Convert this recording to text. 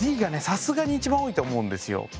さすがに一番多いと思うんですよ。